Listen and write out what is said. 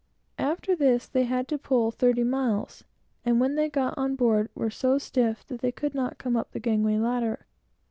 After this, they had to pull thirty miles, and when they got on board, were so stiff that they could not come up the gangway ladder.